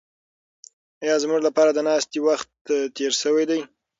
ایا زموږ لپاره د ناستې وخت تېر شوی دی؟